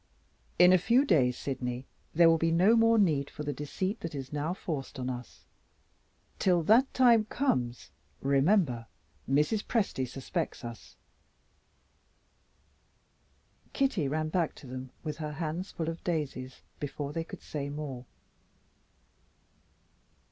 "In a few days, Sydney, there will be no more need for the deceit that is now forced on us. Till that time comes, remember Mrs. Presty suspects us." Kitty ran back to them with her hands full of daisies before they could say more.